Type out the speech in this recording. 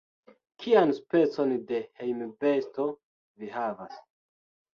Kian specon de hejmbesto vi havas?